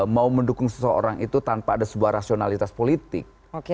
mau mendukung seseorang itu tanpa ada sebuah rasionalitas politik